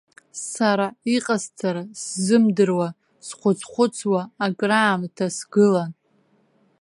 Сара иҟасҵара сзымдыруа, схәыц-хәыцуа акраамҭа сгылан.